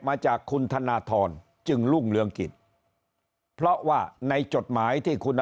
มาจากคุณธนทรจึงรุ่งเรืองกิจเพราะว่าในจดหมายที่คุณ